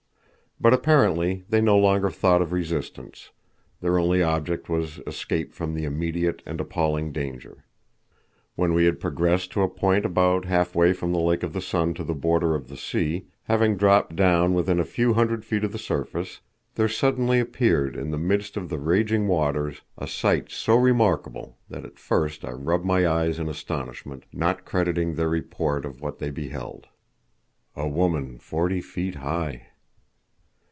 But, apparently, they no longer thought of resistance; their only object was escape from the immediate and appalling danger. When we had progressed to a point about half way from the Lake of the Sun to the border of the sea, having dropped down within a few hundred feet of the surface, there suddenly appeared, in the midst of the raging waters, a sight so remarkable that at first I rubbed my eyes in astonishment, not crediting their report of what they beheld. A Woman Forty Feet High!